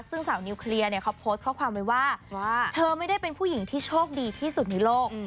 ซึ่งสาวนิวเคลียร์เนี่ยเขาโพสต์ข้อความไว้ว่าเธอไม่ได้เป็นผู้หญิงที่โชคดีที่สุดในโลก